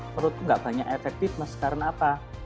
perut nggak banyak efektif mas karena apa